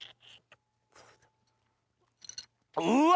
うわ！